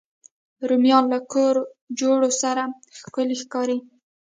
رومیان له کور جوړو سره ښکلي ښکاري